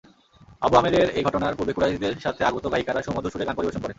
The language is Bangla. আবু আমেরের এই ঘটনার পূর্বে কুরাইশদের সাথে আগত গায়িকারা সুমধুর সুরে গান পরিবেশন করে।